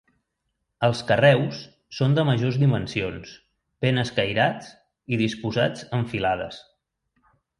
Els carreus són de majors dimensions, ben escairats i disposats en filades.